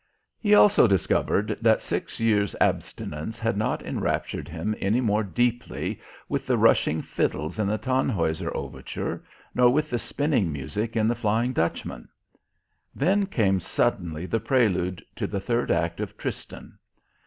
He also discovered that six years' abstinence had not enraptured him any more deeply with the rushing fiddles in the "Tannhäuser" Overture nor with the spinning music in the "Flying Dutchman." Then came suddenly the prelude to the third act of "Tristan."